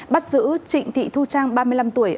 bắt giữ trịnh thị thu trang ba mươi năm tuổi